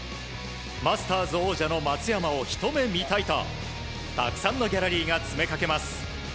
マスターズ王者の松山をひと目見たいとたくさんのギャラリーが詰めかけます。